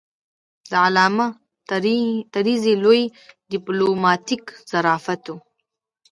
د علامه طرزي لوی ډیپلوماتیک ظرافت و.